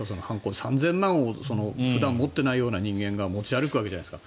３０００万円を普段持っていないような人間が持ち歩くわけじゃないですか。